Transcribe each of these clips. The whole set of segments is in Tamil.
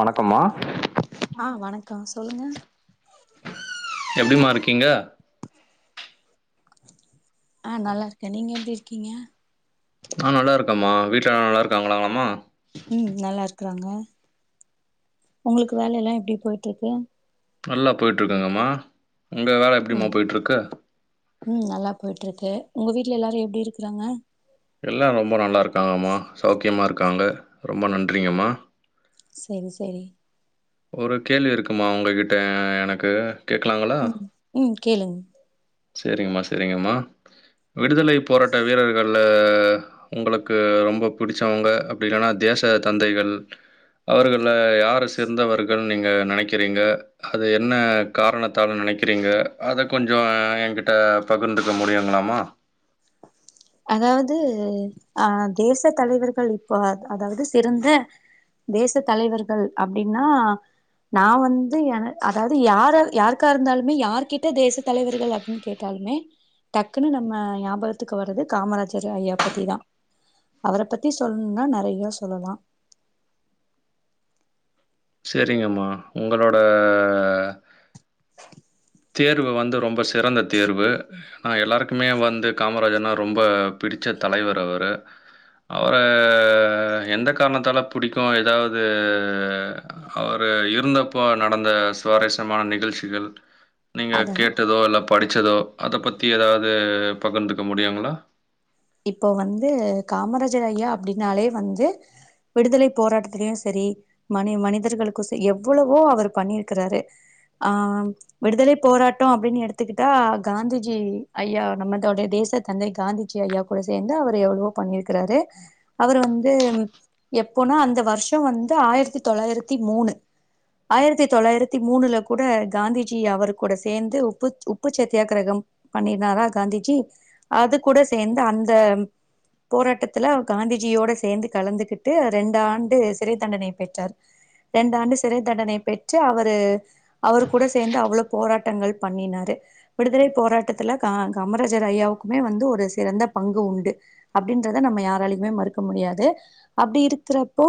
வணக்கம்மா ஆ வணக்கோ சொல்லுங்க எப்டிமா இருக்கீங்க ஆ நல்லா இருக்கே நீங்க எப்டி இருக்கீங்க ஆ நல்லா இருக்கேம்மா வீட்ல எல்லா நல்லா இருக்காங்களாங்கமா ம் நல்லா இருக்கறாங்க உங்களுக்கு வேலெல்லா எப்டி போயிட்டுருக்கு நல்லா போயிட்ருக்குங்கமா உங்க வேல எப்டிமா ம் போயிட்ருக்கு ம் நல்லா போயிட்ருக்கு உங்க வீட்ல எல்லாரு எப்டி இருக்கறாங்க எல்லா ரொம்ப நல்லாயிருக்காங்கம்மா சௌக்கியமாக இருக்காங்க ரொம்ப நன்றிங்கம்மா செரி செரி ஒரு கேள்வி இருக்குமா உங்ககிட்ட எனக்கு கேக்கலாங்களா ம் ம் கேளுங்க செரிங்கம்மா செரிங்கம்மா விடுதலை போராட்ட வீரர்கள்ல உங்களுக்கு ரொம்ப புடிச்சவங்க அப்டி இல்லனா தேச தந்தைகள் அவர்கள்ல யார சேர்ந்தவர்கள்னு நீங்க நெனைக்கிறீங்க அது என்ன காரணத்தால நெனைக்கிறீங்க அத கொஞ்சோ ஏங்கிட்ட பகிர்ந்துக்க முடியுங்களாமா அதாவது ஆ தேச தலைவர்கள் இப்போ அதாவது சிறந்த தேச தலைவர்கள் அப்டினா நா வந்து அதாவது யார் யாருக்கா இருந்தாலுமே யாருகிட்ட தேச தலைவர்கள் அப் னு கேட்டாலுமே டக்குன்னு நம்ம ஞாபகத்துக்கு வர்றது காமராஜர் ஐயா பத்தி தா அவர பத்தி சொல்லணும்னா நெறையா சொல்லலா செரிங்கம்மா உங்களோட தேர்வு வந்து ரொம்ப சிறந்த தேர்வு ஆ எல்லாருக்குமே வந்து காமராஜர்னா ரொம்ப பிடிச்ச தலைவர் அவரு அவர எந்த காரணத்தால புடிக்கு ஏதாவது அவர் இருந்தப்போ நடந்த சுவாரஸ்யமான நிகழ்ச்சிகள் நீங்க அதா கேட்டதோ இல்ல படிச்சதோ அத பத்தி ஏதாவது பகிர்ந்துக்க முடியுங்ளா இப்போ வந்து காமராஜர் ஐயா அப்டின்னாலே வந்து விடுதலை போராட்டத்திலயு சரி மனி மனிதர்களுக்கு சே எவ்வளவோ அவர் பண்ணிருக்குறாரு ஆ விடுதலை போராட்டோ அப்டின்னு எடுத்துக்கிட்டா காந்திஜி ஐயா நம்மதோடைய தேச தந்தை காந்திஜி ஐயா கூட சேந்து அவரு எவ்வளவோ பண்ணி இருக்குறாரு அவரு வந்து எப்போனா அந்த வருஷோ வந்து ஆயிரத்தி தொளாயிரத்தி மூணு ஆயிரத்தி தொள்ளாயிரத்தி மூணுல கூட காந்திஜி அவருகூட சேந்து உப்பு உப்பு சத்தியாகிரகம் பண்ணிருந்தாரா காந்திஜி அது கூட சேந்து அந்த போராட்டத்துல காந்திஜியோட சேந்து கலந்துகிட்டு ரெண்டு ஆண்டு சிறை தண்டனைய பெற்றார் ரெண்டு ஆண்டு சிறை தண்டனை பெற்று அவரு அவரு கூட சேந்து அவ்ளோ போராட்டங்கள் பண்ணினாரு விடுதலை போராட்டத்துல கா காமராஜர் ஐயாவுக்குமே வந்து ஒரு சிறந்த பங்கு உண்டு அப்டின்றத நம்ம யாராலயுமே மறுக்க முடியாது அப்டி இருக்குறப்போ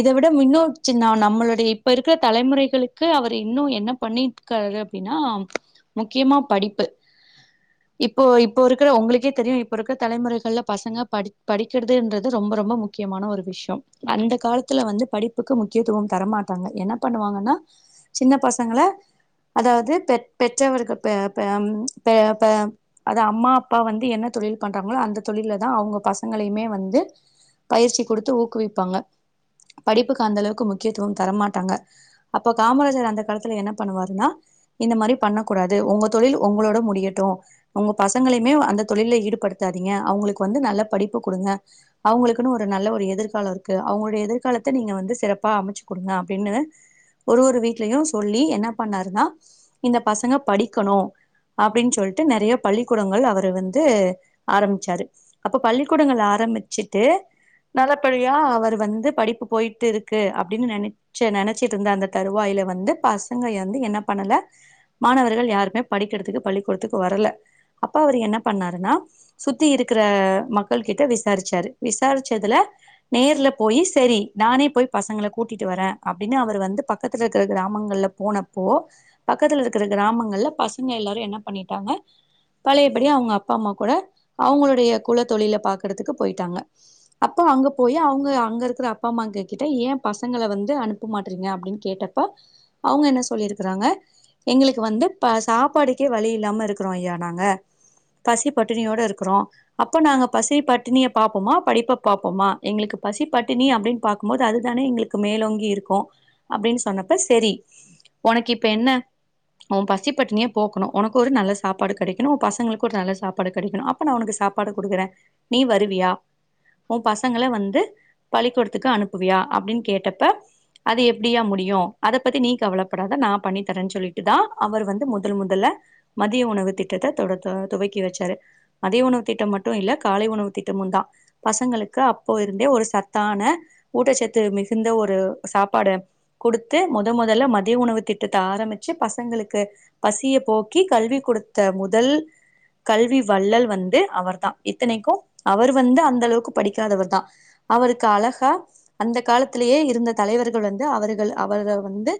இத விட மின்னோச்சின்னா நம்மளுடைய இப்ப இருக்ற தலைமுறைகளுக்கு அவர் இன்னு என்ன பண்ணி காரு அப்டின்னா முக்கியமா படிப்பு இப்போ இப்போ இருக்குற உங்களுக்கே தெரியும் இ இப்ப இருக்க தலைமுறைகள்ல பசங்க படி படிக்கிறதுன்றது ரொம்ப ரொம்ப முக்கியமான ஒரு விஷயோ அந்த காலத்துல வந்து படிப்புக்கு முக்கியத்துவம் தரமாட்டாங்க என்ன பண்ணுவாங்கன்னா சின்ன பசங்கள அதாவ்து பெ பெற்றவர்கள் பெ பெ பெ பெ அது அம்மா அப்பா வந்து என்ன தொழில் பண்றாங்ளோ அந்த தொழிலதா அவ்ங்க பசங்களைய்மே வந்து பயிற்சி குடுத்து ஊக்குவிப்பாங்க படிப்புக்கு அந்த அளவுக்கு முக்கியத்துவம் தரமாட்டாங்க அப்ப காமராஜர் அந்த காலத்துல என்ன பண்ணுவாருன்னா இந்த மாரி பண்ண கூடாது ஒங்க தொழில் ஒங்ளோட முடியட்டு ஒங்க பசங்களய்மே அந்த தொழில்ல ஈடுபடுத்தாதீங்க அவ்ங்களுக் வந்து நல்ல படிப்பு குடுங்க அவ்ங்ளுக்குனு ஒரு நல்ல ஒரு எதிர்காலருக்கு அவங்ளுடைய எதிர்காலத்த நீங்க வந்து சிறப்பா அமச்சு குடுங்க அப்டின்னு ஒரு ஒரு வீட்லயு சொல்லி என்ன பண்ணாருனா இந்த பசங்க படிக்கணு அப்டின் சொல்ட்டு நெறய பள்ளி கூடங்கள் அவரு வந் து ஆரம்ச்சாரு அப்ப பள்ளிகூடங்கள்ல ஆரம்பிச்சுட்டு நல்லபடியா அவரு வந்து படிப்பு போயிட்டுருக்கு அப்டின்னு நென ச நெனச்சிட்ருந்த அந்த தருவாயில வந்து பசங்க எந்து என்ன பண்ணல மாணவர்கள் யாருமே படிக்கிறதுக்கு பள்ளிக்கூடத்துக் வரல அப்ப அவரு என்ன பண்ணாருன்னா சுத்தி இருக்குற மக்கள் கிட்ட விசாரிச்சாரு விசாரிச்சதுல நேர்ல போயி செரி நானே போய் பசங்கள கூட்டிட்டு வரே அப்டின்னு அவரு வந்து பக்கத்துல இருக்குற கிராமங்கள்ல போனப்போ பக்கத்ல இருக்குற கிராமங்கள்ல பசங்க எல்லாரு என்ன பண்ணிட்டாங்க பழய படி அவுங்க அப்பா அம்மா கூட அவுங்களுடைய குல தொழில பாக்றதுக்கு போயிட்டாங்க அப்ப அங்க போயி அவுங்க அங்க இருக்குற அப்பா அம்மாங்க கிட்ட ஏ பசங்கள வந்து அனு ப்பு மாட்றீங்க அப்டின் கேட்டப்ப அவுங்க என்ன சொல்லிருக்குறாங்க எங்களுக்கு வந்து ப சாப்பாடுக்கே வழி இல்லாம இருக்குறோ ஐயா நாங்க பசி பட்டினியோட இருக்குறோ அப்போ நாங்க பசி பட்டினிய பாப்போமா படிப்ப பாப்போமா எங்களுக்கு பசி பட்டினி அப்டின் பாக்கும்போது அதுதானே எங்களுக் மேலோங்கி இருக்கு அப்டின் சொன்னப்ப சேரி ஒனக்கு இப்ப என்ன ஓ பசி பட்டினிய போக்குனு ஒனக்கொரு நல்ல சாப்பாடு கெடைக்கனு ஒ பசங்ளுக்கு ஒரு நல்ல சாப்பாடு கெடைக்குனு அப்ப நா ஒனக்கு சாப்பாடு குடுக்குறே நீ வருவியா ஓ பசங்கள வந்து பள்ளிகூடத்துக்கு அனுப்புவியா அப்டின் கேட்டப்ப அது எப்டி யா முடியு அத பத்தி நீ கவலப்படாத நா பண்ணி தரேன் சொல்லிட்டு தா அவரு வந்து முதல் முதல்ல மதிய உணவு திட்டத்த தொட தொ துவைக் கி வச்சாரு அதே உணவு திட்டமட்டு இல்ல காலை உணவு திட்டமுதா பசங்களுக்கு அப்போ இருந்தே ஒரு சத்தான ஊட்டச்சத்து மிகுந்த ஒரு சாப்பாடு குடுத்து மொத மொதல்ல மத்ய உணவு திட்டத்த ஆரமிச்சு பசங்ளுக்கு பசிய போக்கி கல்வி குடுத்த முதல் கல்வி வள்ளல் வந்து அவர்தா இத்தனைக்கு அவரு வந்து அந்தளவுக்கு படிக்காதவர்தா அவருக் அழகா அந்த காலத்லேயே இருந்த தலைவர்கள் வந்து அவருகள் அவர்கள் வந்து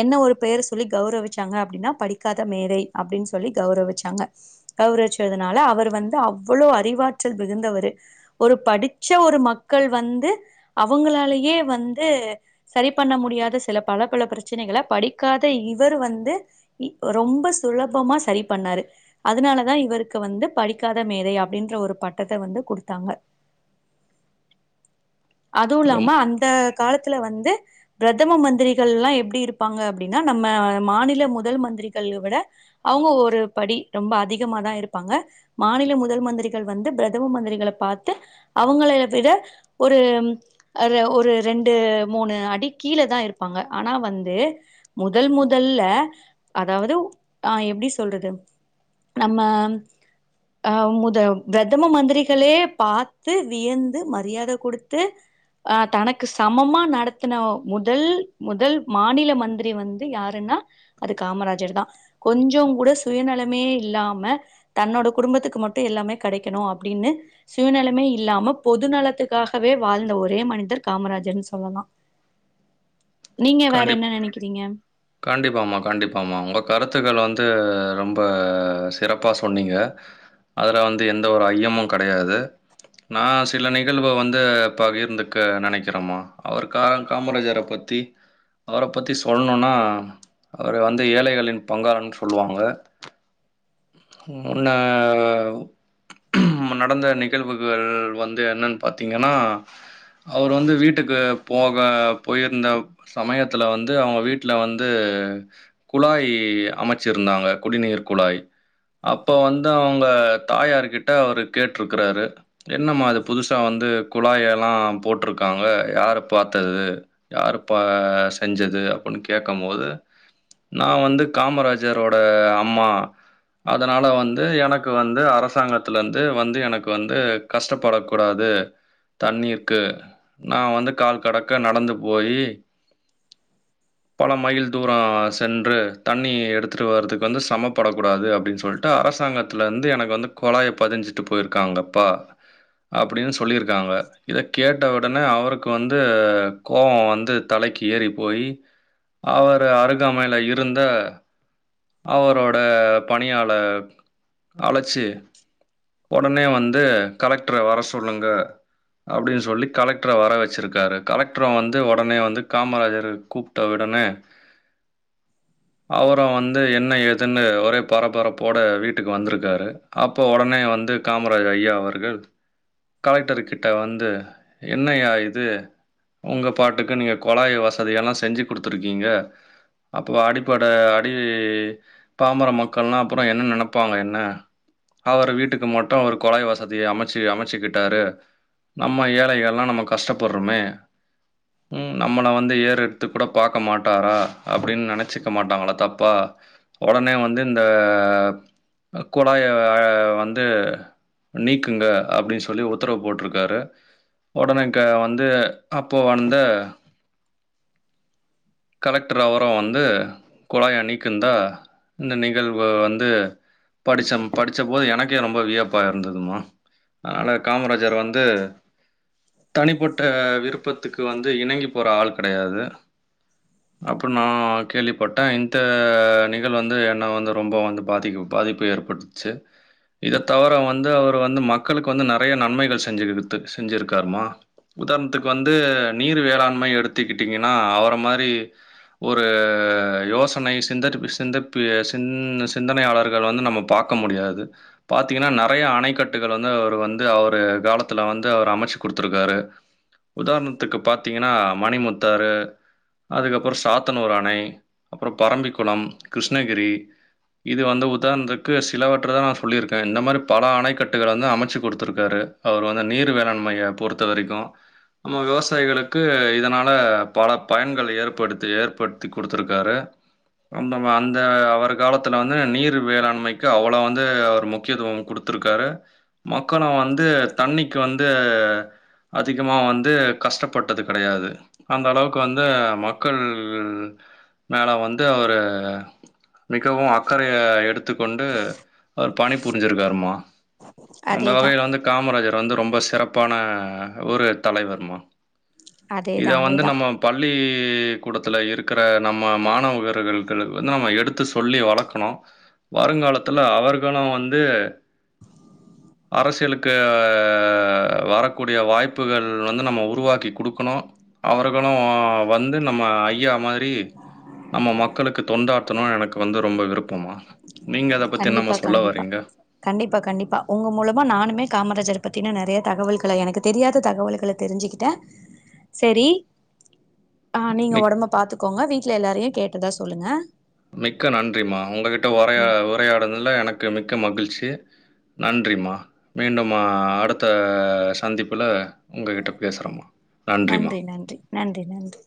என்ன ஒரு பேர சொல்லி கௌரவிச்சாங்க அப்டின்னா படிக்காத மேதை அப்டின் சொல்லி கௌரவிச்சாங்க கௌரச்சதுனால அவரு வந்து அவ்வளோ அறிவாற்றல் மிகுந்தவரு ஒரு படிச்ச ஒரு மக்கள் வந்து அவுங்களாலேயே வந்து சரி பண்ண முடியாத சில பல பல பிரச்சனைகள படிக்காத இவரு வந்து ரொம்ப சுலபமா சரி பண்ணாரு அதனால தா இவர்க்கு வந்து படிக்காத மேதை அப்டின்ற ஒரு பட்டத்த வந்து குடுத்தாங்க அதுவுல்லாம ரொம் அந்த காலத்ல வந்து பிரதம மந்திரிகள்லா எப்டி இருப்பாங்க அப்டின்னா நம்ம மாநில முதல் மந்திரிகள் விட அவ்ங்க ஒரு படி ரொம்ப அதி கமாதா இருப்பாங்க மாநில முதல் மந்திரிகள் வந்து பிரதம மந்திரிகள பாத்து அவங்களை விட ஒரு அதுல ஒரு ரெண்டு மூணு அடி கீழ தா இருப்பாங்க ஆனா வந்து முதல் முதல்ல அதாவ்து ஆ எப்டி சொல்றது நம்ம ஆ முத பிரதம மந்திரிகளே பாத்து வியந்து மரியாத குடுத்து ஆ தனக்கு சமமா நடத்தின முதல் முதல் மாநில மந்திரி வந்து யாருன்னா அது காமராஜர் தா கொஞ்சோ கூட சுயநலமே இல்லாம தன்னோட குடும்பத்துக்கு மட்டு எல்லாமே கடைக்கணு அப்படின்னு சுயநலமே இல்லாம பொது நலத்துக்காகவே வாழ்ந்த ஒரே மனிதர் காமராஜர் சொல்லலா நீங்க வேற என்ன நெனைக்கிறீங்க கண்டிப்பாம்மா கண்டிப்பாம்மா உங்க கருத்துக்கள் வந்து ரொம்ப சிறப்பா சொன்னீங்க அதல வந்து எந்த ஒரு ஐயமு கடையாது நா சில நிகழ்வு வந்து பகிர்ந்துக்க நெனைக்கிறேமா அவர் கா காமராஜர பத்தி அவர பத்தி சொல்ணுன்னா அவர வந்து ஏழைகளின் பங்காளன் சொல்லுவாங்க உன்ன நடந்த நிகழ்வுகள் வந்து என்னன் பாத்தீங்கன்னா அவரு வந்து வீட்டுக்கு போக போயிருந்த சமயத்துல வந்து அவங்க வீட்டுல வந்து குழாய் அமைச்சர் நாங்க குடிநீர் குழாய் அப்போ வந்து அவங்க தாயாரு கிட்ட அவரு கேட்ருக்கறாரு என்னம்மா இது புதுசா வந்து குழாய் எல்லா போட்ருக்காங்க யாரு பாத்தது இது யாரு பா செஞ்சது அப்படின் கேக்கம்போது நா வந்து காமராஜரோட அம்மா அதனால வந்து எனக்கு வந்து அரசாங்கத்துல இந்து வந்து எனக்கு வந்து கஷ்டப்பட கூடாது தண்ணீ இருக்கு நா வந்து கால் கடக்க நடந்து போயி பல மைல் தூரம் சென்று தண்ணி எடுத்துட்டு வரதுக்கு வந்து சமப்படக்கூடாது அ அப்படின்னு சொல்லிட்டு அரசாங்கத்துல இருந்து எனக்கு வந்து குழாய் பதிஞ்சிட்டு போயிருக்காங்கப்பா அப்படின்னு சொல்லியிருக்காங்க இதை கேட்டவ உடனே அவருக்கு வந்து கோவம் வந்து தலைக்கு ஏறி போய் அவரு அருகாமையில இருந்த அவரோட பணியாளர் அழைச்சி உடனே வந்து கலெக்டரை வர சொல்லுங்க அப்படின்னு சொல்லி கலெக்டரை வர வச்சிருக்காரு கலெக்டரை வந்து உடனே வந்து காமராஜரு கூ ப்டா உடனே அவரும் வந்து என்ன எதுன்னு ஒரே பரபரப்போட வீட்டுக்கு வந்திருக்காரு அப்போ உடனே வந்து காமராஜ் ஐயா அவர்கள் கலெக்டர் கிட்ட வந்து என்னயா இது உங்க பாட்டுக்கு நீங்க குழாய் வசதியெல்லாம் செஞ்சு கொடுத்துருக்கீங்க அப்போ அடிப்படை அடி பாம்பர மக்கள் மக்கள்லாம் அப்புறம் என்ன நினைப்பாங்க என்ன அவர் வீட்டுக்கு மட்டும் அவர் குழாய்வசதி அமைச்சி அமைச்சுக்கிட்டாரு நம்ம ஏழைகள்லாம் நம்ம கஷ்டப்படுறோமே உம் நம்மளை வந்து ஏறு எடுத்து கூட பார்க்க மாட்டாரா அப்படின்னு நினைச்சிக்க மாட்டாங்களா தப்பா உடனே வந்து இந்த குழாய் வந்து நீக்குங்க அப்படின்னு சொல்லி உத்தரவு போட்டிருக்காரு உடனேக்கு வந்து அப்போ வந்த கலெக்டர் அவரும் வந்து குழாய நீக்குந்தா இந்த நிகழ்வு வந்து படிச்ச படிச்ச போது எனக்கே ரொம்ப வியப்பா இருந்ததுமா அதனால காமராஜர் வந்து தனிப்பட்ட விருப்பத்துக்கு வந்து இணங்கி போற ஆள் கிடையாது அப்படி நான் கேள்விப்பட்டேன் இந்த நிகழ் வந்து நா வந்து ரொம்ப வந்து பாதி பாதிப்பு ஏற்படுச்சு இத தவிர வந்து அவரு வந்து மக்களுக்கு வந்து நிறைய நன்மைகள் செஞ்சு செஞ்சிருக்காருமா உதாரணத்துக்கு வந்து நீர் வேளாண்மை எடுத்துக்கிட்டீங்கன்னா அவர மாரி ஒரு யோசனை சிந்தரிப் சிந்திப் பு சிந் சிந்தனையாளர்கள் வந்து நம்ம பாக்க முடியாது பாத்தீங்கன்னா நெறைய அணைக்கட்டுகள் வந்து அவரு வந்து அவரு காலத்துல வந்து அவர் அமச்சு குடுத்துருக்காரு உதாரணத்துக்கு பாத்தீங் ஏனா மணிமுத்தாறு அதுக்கப்பறம் சாத்தனூர் அணை அப்பறம் பரம்பிக்குளம் கிருஷ்ணகிரி இது வந்து உதாரணத்துக்கு சிலவற்ற தா நா சொல்லிருக்கே இந்த மாரி பல அணைக்கட்டுகள் வந்து அமைச்சி குடுத்துருக்காரு அவர் வந்து நீர் வேளாண்மைய பொறுத்த வரைக்கு நம்ம விவசாயிகளுக்கு இதனால பல பயன்கள் ஏற்படுத்தி ஏற்படுத்தி குடுத்துருக்காரு அண்ணாவ் அந்த அவர் காலத்துல வந்து நீர் வேளாண்மைக்கு அவ்வளவு வந்து அவர் முக்கியத்துவம் குடுத்துருக்காரு மக்கன வந்து தண்ணிக்கு வந்து அதிகமா வந்து கஷ்டப்பட்டது கெடயாது அந்த அளவுக்கு வந்து மக்கள் மேல வந்து அவரு மிகவு அக்கறைய எடுத் த்து கொண்டு அவர் பணி புரிஞ்சுருக்காருமா அந்த அதேதா வகைய வந்து காமராஜர் வந்து ரொம்ப சிறப்பான ஒரு தலைவர்மா இத அதேதா வந்து அதேதா நம்ம பள்ளி கூடத்தில இருக்கிற நம்ம மாணவர்களுக் கு வந்து நம்ம எடுத்து சொல்லி வளக்கணு வருங்காலத்தில அவர்களு வந்து அரசியலுக்கு வரக்கூடிய வாய்ப்புகள் வந்து நம்ம உருவாக்கி குடுக்கணு அவர்களு வந்து நம்ம ஐயா மாரி நம்ம மக்களுக் தொண்டாற்றணு எனக்கு வந்து ரொம்ப விருப்பமா நீங்க அத பத்தி என்னாம்மா கண்டிப்பா சொல்ல கண்டிப்பா வரீங்க கண்டிப்பா கண்டிப்பா உங்க மூலமா நானுமே காமராஜர் பத்தின நெறைய தகவல்கள எனக்கு தெரியாத தகவல்கள தெரிஞ்சுக்கி டே செரி ஆ நீங்க மிக் ஒடம்ப பாத்துக்கோங்க வீட்ல எல்லாரியு கேட்டதா சொல்லுங்க மிக்க நன்றிமா ஒங்ககிட்ட உரையா ம் உரையாடுனாதுல எனக்கு மிக்க மகிழ்ச்சி நன்றிம்மா மீண்டும்மா அடுத்த சந்திப்பில நன்றி நன்றி நன்றி நன்றி